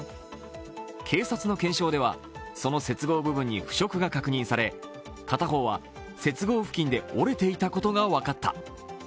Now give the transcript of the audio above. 警察の検証ではその接合部分に腐食が確認され、片方は接合付近で折れていたことが分かった。